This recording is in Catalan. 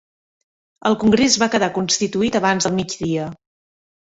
El congrés va quedar constituït abans del migdia